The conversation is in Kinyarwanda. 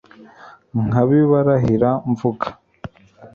nkabibarahira mvuga